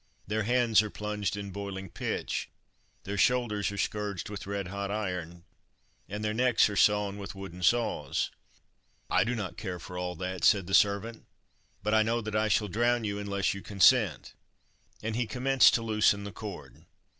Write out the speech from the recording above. Their hands are plunged in boiling pitch, their shoulders are scourged with red hot iron, and their necks are sawn with wooden saws." "I do not care for all that," said the servant, "but I know that I shall drown you unless you consent." And he commenced to loosen the cord.